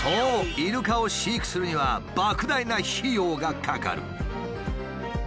イルカを飼育するにはばく大な費用がかかる。